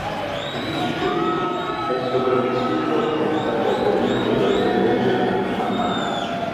Lin Shu è sopravvissuto ma è stato avvelenato dal veleno della fiamma amara.